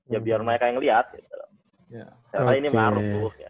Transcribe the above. ya biar mereka yang lihat gitu